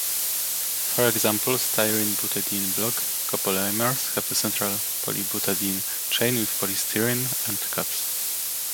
For example, styrene-butadiene block copolymers have a central polybutadiene chain with polystyrene end caps.